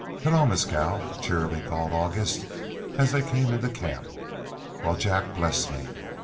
"Hello, Mescal," cheerily called August, as they came into camp. "Well Jack bless me!